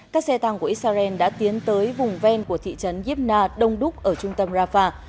các xe tăng của israel đã tiến tới vùng ven của thị trấn gibna đông đúc ở trung tâm rafah